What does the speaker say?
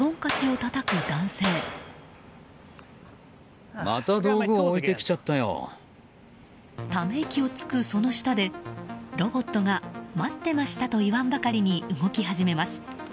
ため息をつくその下でロボットが待ってましたと言わんばかりに動き始めます。